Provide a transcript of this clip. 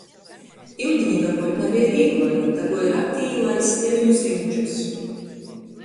Iudini dabuot nabeja vīglai, daguoja rakt i īlaist deveņus riņčus.